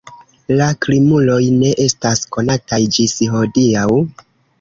La krimuloj ne estas konataj ĝis hodiaŭ.